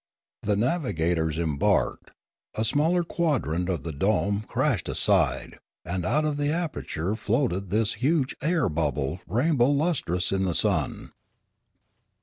The navigators embarked ; a smaller quadrant of the dome crashed aside; and out by the aperture floated this huge air bubble rainbow lustrous in the sun.